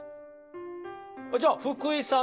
じゃあ福井さん